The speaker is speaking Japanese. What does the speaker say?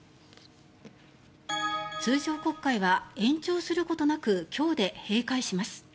通常国会は延長することなく今日で閉会します。